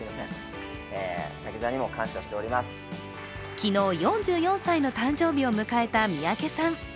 昨日、４４歳の誕生日を迎えた三宅さん。